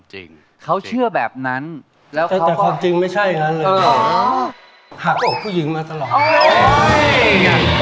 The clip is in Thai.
จริงเขาเชื่อแบบนั้นแล้วแต่ความจริงไม่ใช่อย่างนั้นเลยหักอกผู้หญิงมาตลอด